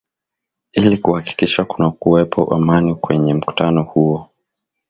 ili kuhakikisha kunakuwepo Amani kwenye mkutano huo